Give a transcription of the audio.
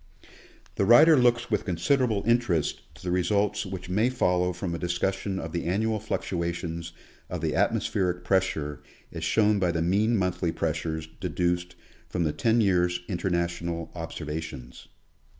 The writer looks with considerable interest to the results which may follow from a discussion of the annual fluctuation of the atmospheric pressure as shown by the mean monthly pressures deduced from the ten years' International observations.